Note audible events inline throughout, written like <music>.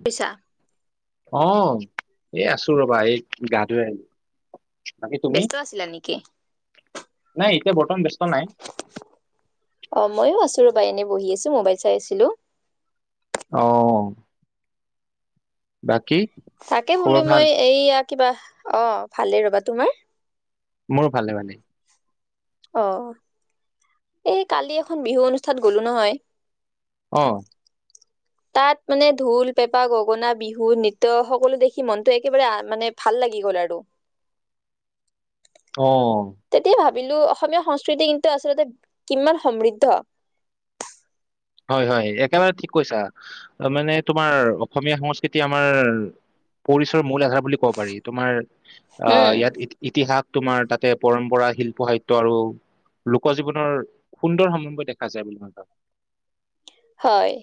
<unintelligible> চা অ', এই আছো ৰ'বা, এই গা ধুই আহিলো। বাকী তুমি ব্যস্ত আছিলা নেকি? নাই এতিয়া বৰ্তমান ব্যস্ত নাই। মই এনেই বহি আছো মোবাইল চাই আছিলো। অ', বাকী চাকে বুলি খবৰ ভাল মই এইয়াক কিবা অ' ভালেই ৰবা, তোমাৰ? মোৰো ভালে মানে। অ' এই কালি এখন বিহু অনুষ্ঠান গলো নহয়। অ', তাত মানে, ঢোল, পেঁপা, গগনা বিহু নিত্য সকলো দেখি মনটো একেবাৰে মানে ভাল লাগি গল আৰু। তেতিয়া অ', ভাবিলো অসমীয়া সংস্কৃতি কিন্তু আচলতে কিমান সমৃদ্ধ। হয়-হয় একেবাৰে ঠিক কৈছা মানে তোমাৰ অসমীয়া সংস্কৃতি আমাৰ পৰিচৰ মূল আধাৰ বুলি ক'ব পাৰি, তোমাৰ? অ' উম ইয়াত ইতিহাস তোমাৰ তাতে পৰম্পৰা শিল্প সাহিত্যয় আৰু লোক জীৱনৰ সুন্দৰ সমভময় দেখা যায় বুলি মই কওঁ। হয়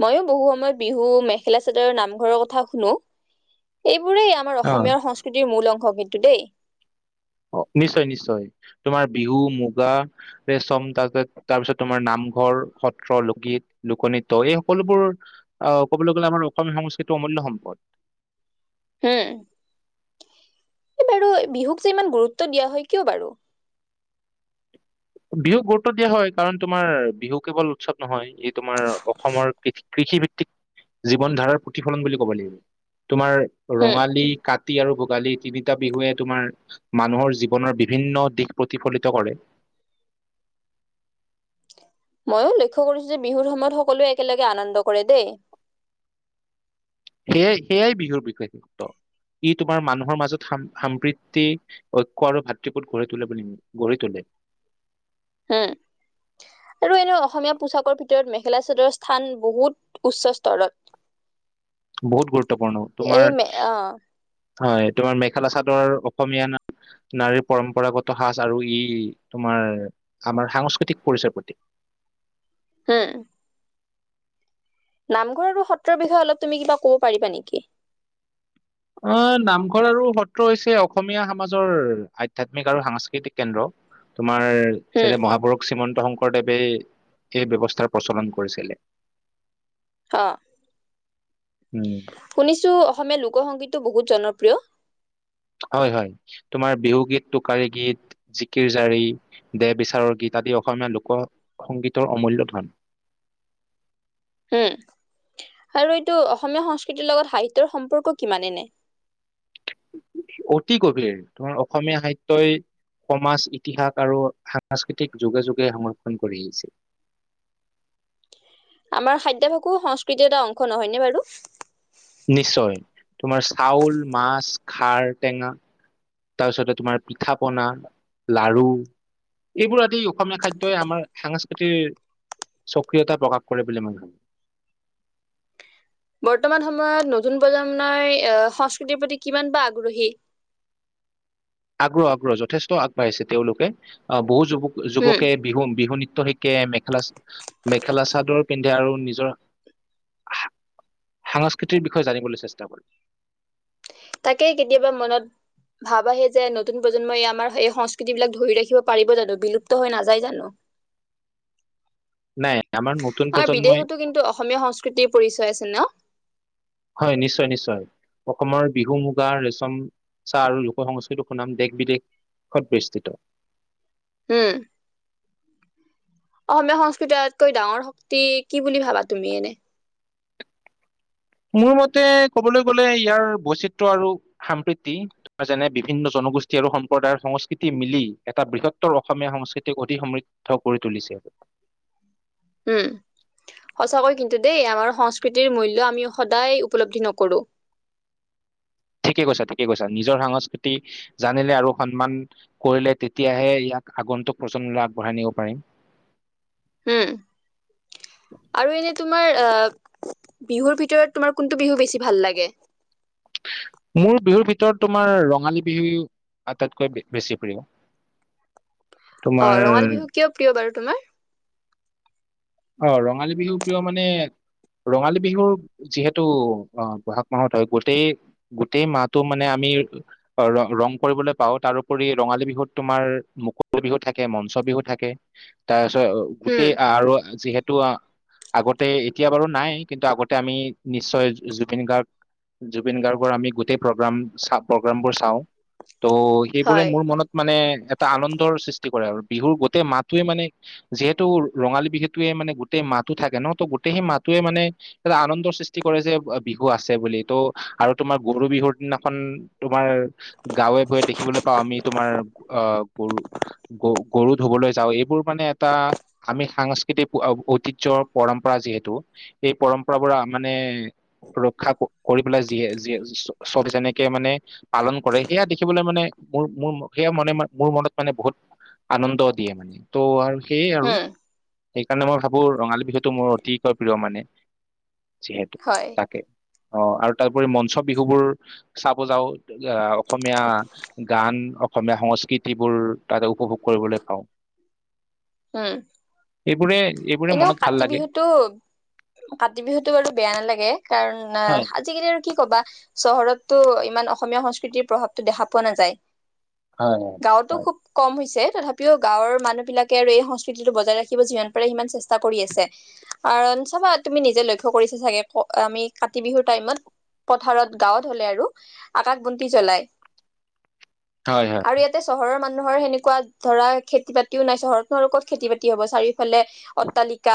ময়ো বহু সময়ত বিহু মেখেলা চাদৰ নামঘৰৰ কথা শুনো, এইবোৰেই আমাৰ ভাবো অ অসমীয়া সংস্কৃতিৰ মূল অংশ কিন্তু দেই। নিশ্চয়-নিশ্চয় তোমাৰ বিহু মুগা ৰেচম তাৰপিছত-তাৰপিছত তোমাৰ নামঘৰ সত্ৰ লোকগীত, লোকনৃত্য এই সকলোবোৰ আহ কবলৈ গলে আমাৰ অসমীয়া সংস্কৃতিৰ অমূল্য সম্পদ। উম, এই বাৰু বিহুক যে ইমান গুৰুত্ব দিয়া হয় কিয় বাৰু? বিহুক গুৰুত্ব দিয়া হয় কাৰণ তোমাৰ বিহু কেৱল উৎসৱ নহয় এই তোমাৰ অসমৰ কৃষিভিত্তিক জীৱন ধাৰাৰ প্ৰতিফলন বুলি কব লাগিব। তোমাৰ হুম। ৰঙালী কা তি আৰু ভোগালী তিনিটা বিহুৱে তোমাৰ মানুহৰ জীৱনৰ বিভিন্ন দিশ প্ৰতিফলিত কৰে ময়ো লক্ষ্য কৰিছো যে বিহুৰ সময়ত সকলোৱে একেলগে আনন্দ কৰে দেই সেয়াই সেয়াই বিহুৰ বিষেক ই তোমাৰ মানুহৰ মানুহৰ মাজত সাম্ৰীতি ঐক্য় আৰু ভাতৃবূট গঢ়ি তোলে বুলি গঢ়ি তোলে উম আৰু এনে অসমীয়া পোছাকৰ ভিতৰত মেখেলা চাদৰ স্থান বহুত উচ্চ স্তৰত বহুত গুৰুত্বপূৰ্ণ তোমাৰ এই মে অ'। হয় তোমাৰ মেখেলা চাদ ৰ অসমীয়া নাৰীৰ পৰম্পৰাগত সাজ আৰু ই তোমাৰ আমাৰ সাংস্কৃতিক পৰিচয়ৰ প্ৰতি হম নামঘৰ আৰু সত্ৰৰ বিষয়ে অলপ তুমি কিবা কব পাৰিবা নেকি আহ নামঘৰ আৰু সত্ৰ হৈছে অসমীয়া সমাজৰ আধ্যয়াত্মিক আৰু সাংস্কৃতিক কেন্দ্ৰ তোমাৰ হুম। যেনে মহাপুৰুষ শ্ৰীমন্ত শংকৰ শংকৰদেৱে এই ব্যৱস্থাৰ প্ৰচলন কৰিছিলে অঁ উম শুনিছো অসমীয়া লোক সংগীত টো বহুত জনপ্ৰিয় হয় হয় তোমাৰ বিহুগীত টোকী গীত জিকিৰ জাৰি দেহ বিচাৰৰ গীত আদি অসমীয়া লোকসংগীতৰ অমূল্য ধন উম আৰু এইটো অসমীয়া সংস্কৃতিৰ লগত সাহিত্যৰ সম্পৰ্ক কিমানেনে অতি গভীৰ তোমাৰ অসমীয়া সাহিত্যৰই সমাজ ইতিহাস আৰু সাংস্কৃতিক যোগে যোগে সংৰক্ষন কৰি আহিছে আমাৰ খাদ্য সকো সংস্কৃতিৰ এটা অংশ নহয়নে বাৰু নিশ্চয় তোমাৰ চাউল মাছ খাৰ টেঙা তাৰ পিছতে তোমাৰ পিঠা পনা লাৰু এইবোৰ আদি অসমীয়া খাদ্যই আমাৰ সাংস্কৃতিৰ সক্ৰিয়তা প্ৰকাশ কৰে বুলি মই ভাবো বৰ্তমান সময়ত নতুন প্ৰজন্মই আহ সংস্কৃতিৰ প্ৰতি কিমান বা আগ্ৰহী আগ্ৰহ আগ্ৰহ যথেষ্ট আগবাঢ়িছে তেওঁলোকে আহ বহু যুৱ উম যুৱকে বিহু বিহু নীতি ত শিকে মেখেলা মেখেলা চাদৰ পিন্ধে আৰু নিজৰ সাংস্কৃতিৰ বিষয়ে জানিবলৈ চেষ্টা কৰে তাকেই কেতিয়াবা মনত ভাব আহে যে নতুন প্ৰজন্মই আমাৰ স সংস্কৃতি বিলাক ধৰি ৰাখিব পাৰিব জানো বিলুপ্ত হৈ নাযায় জানো নাই আমাৰ নতুন আৰু প্ৰজন্মই বিদেশতো কিন্তু অসমীয়া সংস্কৃতিৰ পৰিচয় আছে ন হয় নিশ্চয় নিশ্চয় অসমৰ বিহু মুগা, ৰেচম, চাহ আৰু লোক সংস্কৃতিক সুনাম দেশ বিদেশত বিস্তৃত হম অসমীয়া সংস্কৃতি আতকৈ ডাঙৰ শক্তি কি বুলি ভাবা তুমি এনে মোৰ মতে কবলৈ গলে ইয়াৰ বৈচিত্ৰ আৰু সাম্প্ৰীতি যেনে বিভিন্ন জনগোষ্ঠী আৰু সম্প্ৰদায়ৰ সংস্কৃতি মিলি এটা বৃহত্তৰ অসমীয়া সংস্কৃতিক অধিক সমৃদ্ধ কৰি তুলিছে উম সঁচাকৈ কিন্তু দেই আমাৰ সংস্কৃতিৰ মূল্য আমি সদায় উপলব্ধি নকৰো ঠিকে কৈছো ঠিকে কৈছা নিজৰ সংস্কৃতি জানিলে আৰু সন্মান কৰিলে তেতিয়াহে ইয়াক আগন্তুক প্ৰজন্ম আগবঢ়াই নিব পাৰিম উম আৰু এনে তোমাৰ অঁ বিহুৰ ভিতৰত তোমাৰ কোনটো বিহু বেছি ভাল লাগে মোৰ বিহুৰ ভিতৰত তোমাৰ ৰঙালী বিহু আটাইতকৈ বেছি প্ৰিয় অঁ তোমাৰ ৰঙালী বিহু কিয় প্ৰিয় বাৰু তোমাৰ অ ৰঙালী বিহু কিয় মানে ৰঙালী বিহু যিহেতু অ বহাগ মাহত হয় গোটেই গোটেই মাহটো মানে আমি ৰ ৰং কৰিবলৈ পাওঁ তাৰপৰি ৰঙালী বিহুত তোমাৰ মুকল বিহু থাকে মঞ্চ বিহু থাকে তাৰ উম গোটেই আৰু যিহেতু আগতে এতিয়া বাৰু নাই কিন্তু আগতে আমি নিশ্চয় জুবিন গাৰ্গ জুবিন গাৰ্গৰ আমি গোটেই প্ৰগ্ৰাম চা প্ৰগ্ৰামবোৰ চাওঁ ত' সেইবোৰে হয় মোৰ মনত মানে এটা আনন্দৰ সৃষ্টি কৰে আৰু বিহুৰ গোটেই মাহটোৱে মানে যিহেতু ৰঙালী বিহুত য়ে মানে গোটেই মাতো থাকে ন ত গোটেই সেই মাতোয়ে মানে এটা আনন্দৰ সৃষ্টি কৰে যে বিহু আছে বুলি ত' আৰু তোমাৰ গৰু বিহুৰ দিনা খন তোমাৰ গাঁৱে গৈয়ে দেখিবলৈ পাওঁ আমি তোমাৰ অ গৰু গৰু গৰু ধুবলৈ যাওঁ এইবোৰ মানে এটা আমি সাংস তিক ঐতিয্য পৰম্পৰা যিহেতু এই পৰম্পৰা বৰা মানে ৰক্ষা কৰি পেলাই যিয়ে য যেনেকে মানে পালন কৰে সেয়া দেখিবলৈ মানে মোৰ মোৰ সেয়া মনে ম মোৰ মনত মানে বহুত আনন্দ দিয়ে মানে ত' আৰু কি আৰু আৰু উম সেইকাৰণে মই ভাবো ৰঙালী বিহুটো মোৰ অতিকৈ প্ৰিয় মানে যিহেতু হয় তাকে আহ আৰু তাৰোপৰি মঞ্চ বিহুবোৰ চাব যাওঁ আহ অসমীয়া গান, অসমীয়া সংস্কৃতিবোৰ তাতে উপভোগ কৰিবলৈ পাওঁ হম এইবোৰে এইবোৰে এনেও মনত ভাল কাতি লাগে বিহুতটো কাতি বিহুতটো বাৰু বেয়া নালাগে কাৰণ ন হয় আজিকালি আৰু কি ক'বা চহ ঘৰতো ইমান অসমীয়া সংস্কৃতিৰ প্ৰভাৱটো দেখা পোৱা নাযায় হয় গাঁৱতো হয় খুব কম হৈছে তথাপিও গাঁৱৰ মানুহ বিলাক আৰু এই সংস্কৃতিটো বজাই ৰাখিব যিমান পাৰে সিমান চেষ্টা কৰি আছে আৰু চাবা তুমি নিজে লক্ষ্য কৰিছা চাগে আমি কাতি বিহুৰ টাইমত পথাৰত গাঁৱত হলে আৰু আকাশ বন্তি জলাই হয় হয় আৰু ইয়াতে চহৰৰ মানুহ মানুহৰ সেনেকুৱা ধৰা খেতি-বাতিও নাই চহৰ আপোনাৰোকত খেতি-বাতি হ'ব চাৰিওফালে অট্টালিকা।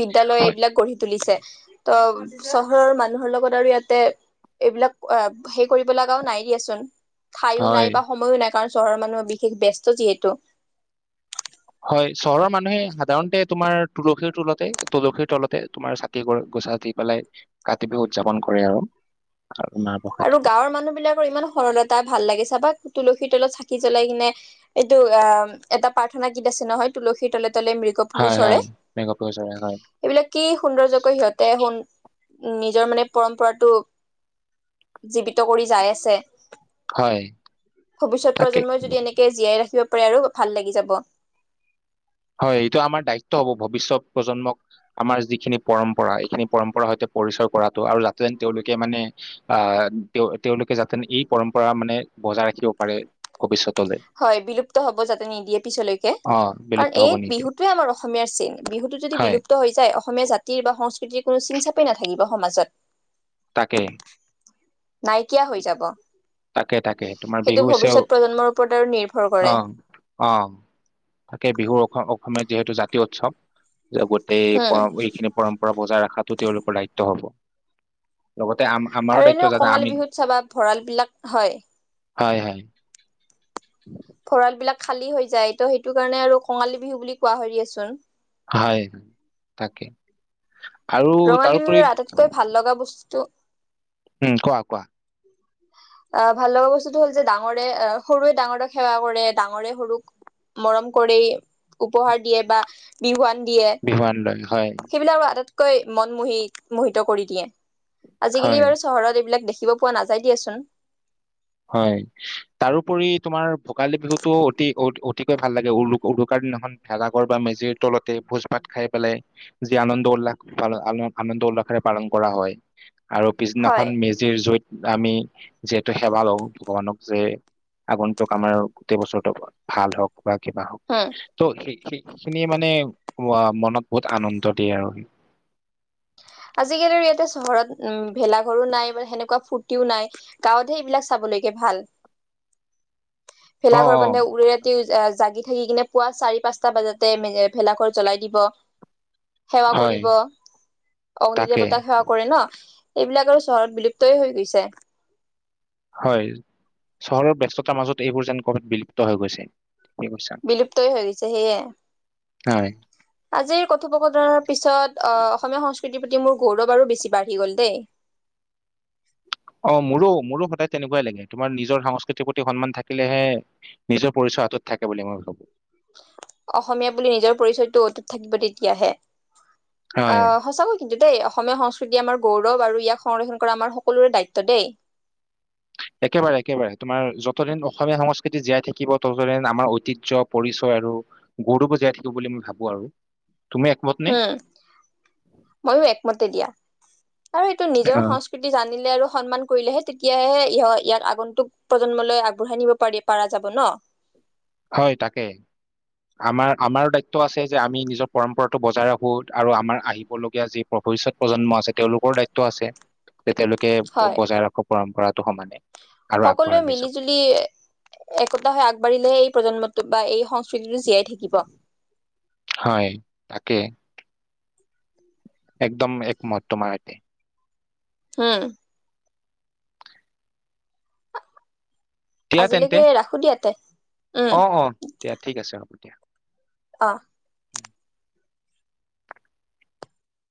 বিদ্যালয় হয় এইবিলাক গঢ়ি তুলিছে। ত চহৰৰ মানুহৰ লগত আৰু ইয়াতে এইবিলাক হেই কৰিব লগাও নাই দিয়াচোন। ঠাইয়ো নাই হয় বা সময়ো নাই। কাৰণ চহৰৰ মানুহে বিশেষ ব্যস্ত যিহেতু হয়, চহৰৰ মানুহে সাধাৰণতে তোমাৰ, তুলসীৰ তলতে তুলসীৰ তলতে তোমাৰ চাকিগছা দি পেলাই কাতি বিহু উদযাপন কৰে আৰু। আৰু মাহ প্ৰসাদ আৰু খায়। গাঁৱৰ মানুহবিলাকৰ ইমান সৰলতা ভাল লাগে চাবা। তুলসীৰ তলত চাকি জ্বলাই কিনে এইটো আ, এটা প্ৰাৰ্থনা গীত আছে নহয় তুলসীৰ তলত তলে মৃগ পহু হয় চৰে। হয় মেঘ প্ৰয়োজনে হয় এইবিলাক কি সৌন্দৰ্যকৈ সিহঁতে শুন নিজৰ মানে পৰম্পৰাটো জীৱিত কৰি যাই আছে। হয় ভৱিষ্যত তাকে প্ৰজন্মই যদি এনেকে জীয়াই ৰাখিব <unintelligible> আৰু ভাল লাগি যাব। হয় এইটো আমাৰ দায়িত্ব হ'ব ভৱিষ্যত প্ৰজন্মক, আমাৰ যিখিনি পৰম্পৰা এইখিনি পৰম্পৰা সৈতে পৰিচয় কৰাটো আৰু যাতেন তেওঁলোকে মানে আহ তেওঁ তেওঁলোকে যাতেন এই পৰম্পৰা মানে বজাই ৰাখিব পাৰে ভৱিষ্যত। হয় বিলুপ্ত হ'ব যাতে নিদিয়ে পিছলৈকে। অ বিলুপ্ত কাৰ এই হব নিদিয়ে বিহুটোৱে আমাৰ অসমীয়াৰ চিন। বিহুতো যদি হয় বিলুপ্ত হৈ যায় অসমীয়া জাতিৰ বা সংস্কৃতিৰ কোনো চিন-চাপেই নাথাকি <unintelligible> সমাজত। তাকে। নাইকিয়া হৈ যাব। তাকে তাকে, তোমাৰ সেইটো বিহু হৈছেও। ভৱিষ্যত প্ৰজন্মৰ ওপৰত আৰু নিৰ্ভৰ কৰে অ'। অ' তাকে বিহুৰ অফাৰ অসমীয়াৰ যিহেতু জাতীয় উৎসৱ। যে গোটেই হম পৰ এইখিনি পৰম্পৰা। বজাই ৰখাতো তেওঁলোকৰ দায়িত্ব হ'ব। লগত আৰু এনেও কঙালী বিহুত চাবা ভঁৰাল বিলাক হয়। হয়, হয়। ভঁৰালবিলাক খালী হৈ যায়, ত' সেইটোকাৰণে আৰু কঙালী বিহু বুলি কোৱা হয় দিয়াচোন।। হয় তাকে। আৰু ৰঙালী তাৰোপৰি বিহুৰ আটাইতকৈ ভাল লগা বস্তুটো উম কোৱা কোৱা এ ভাললগা বস্তুটো হ'ল যে ডাঙৰে, সৰুৱে ডাঙৰক সেৱা কৰে, ডাঙৰে সৰুক মৰম কৰি উপহাৰ দিয়ে বা বিহুৱান। দিয়ে বিহুৱান লয় হয় সেইবিলাক আৰু আটাইতকৈ। মন মোহি মোহিত কৰি দিয়ে। আজিকালি হয় বাৰু চহৰত এইবিলাক দেখি। দেখিব পোৱা নায চাই দিয়াচোন। হয়, তাৰোপৰি তোমাৰ ভোগালী বিহুতটো অতি অতিকৈ ভাল লাগে উৰু উৰুকাৰ দিনাখন ভেলাঘৰ বা মেজিৰ তলতে ভোজ ভাত খাই পেলাই যি আনন্দ উল্লাস আনন্দ উল্লাসৰে পালন কৰা হয়। আৰু হয় পিছদিনাখন মেজিৰ জুইত আমি যিহেতু, সেৱা লওঁ ভগৱানক যে আগন্তুক আমাৰ গোটেই বছৰটো ভাল হওক। বা কিবা উম হওক ত সেই সেই খিনিয়ে মানে মনত বহুত আনন্দ দিয়ে আৰু। আজিকালি আৰু ইয়াতে চহৰত উ ভেলাঘৰো নাই বা সেনেকুৱা ফুৰ্তিও নাই গাঁৱতহে এইবিলাক চাবলৈকে ভাল। ভেলা অ ঘৰ অ বন্ধে উৰি ৰাতি। জাগি থাকি কিনে পুৱা চাৰি পাঁচটা বজাতে ভেলাঘৰ জ্বলাই দিব। সেৱা হয় কৰিব। অগ্নি তাকে দেৱতাক সেৱা কৰে ন। এইবিলাক আৰু চহৰত বিলুপ্তয় হৈ গৈছে। হয় চহৰৰ ব্যস্ততাৰ মাজত এইবোৰ যেন কবাত বিলুপ্ত হৈ গৈছে। ঠিকে কৈছা বিলুপ্তই হৈ গৈছে সেয়ে হয় আজিৰ কথোপকথনৰ পিছত অ অসমীয়া সংস্ক সংস্কৃতিৰ প্ৰতি মোৰ গৌৰৱ বাৰো বেছি বাঢ়ি গ'ল দেই। অ মোৰো মোৰো সদায় তেনেকুৱাই লাগে তোমাৰ নিজৰ সংস্কৃতিৰ প্ৰতি সন্মান থাকিলেহে নিজৰ পৰিচয় হাতত থাকে বুলি মই ভাবো অসমীয়া বুলি নিজৰ পৰিচয়টো অটুত থাকিব তেতিয়াহে অ হয় সঁচাকৈ কিন্তু দেই অসমীয়া সংস্কৃতি আমাৰ গৌৰৱ আৰু ইয়াক সংৰক্ষণ কৰা আমাৰ সকলোৰে দায়িত্ব দেই একেবাৰে একেবাৰে তোমাৰ য ততদিন অসমীয়া সংস্কৃতি জীয়াই থাকিব ততদন আমাৰ ঐতিজ্য পৰিচয় আৰু গৌৰৱবো জীয়াই থাকিব বুলি মই ভাবো আৰু তুমি একমত নে? উম ময়ো একমতে দিয়া আৰু এইটো নিজৰ আহ সংস্কৃতি জানিলে আৰু সন্মান কৰিলেহে তেতিয়াহে ইহ ইয়াত আগন্তুক প্ৰজন্মলৈ আগবঢ়াই নিব পাৰি পাৰা যাব ন হয় তাকে আমাৰ আমাৰো দায়িত্ আছে যে আমি নিজক পৰম্পৰাটো বজাই ৰাখোঁ আৰু আমাৰ আহিবলগীয়া যি ভৱিষ্যত প্ৰজন্ম আছে তেওঁলোকৰ দায়িত্ব আছে তে তেওঁলোকে হয় বজাই ৰাখক পৰম্পৰাটো সমানে আৰু সকলোৱে আগবঢ়াই লৈ মিলি যাওক জুলি একতা হৈ আগবাঢ়িলেহে এই প্ৰজন্ম বা এই সংস্ক সতিটো জীয়াই থাকিব হয় তাকে একদম এক মহত্মা ৰাইট হোম দিয়া তেন্তে আজিলৈকে ৰাখো দিয়া তে উম অ অ দিয়া ঠিক আছে হ'ব দিয়া অ উম